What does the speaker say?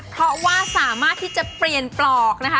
เพราะว่าสามารถที่จะเปลี่ยนปลอกนะคะ